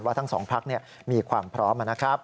ว่าทั้งสองภักดิ์มีความพร้อมนะครับ